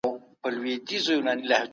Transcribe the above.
په دولتي ادارو کې ولې رشوت اخيستل کيږي.